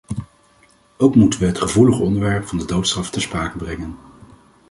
Ook moeten we het gevoelige onderwerp van de doodstraf ter sprake brengen.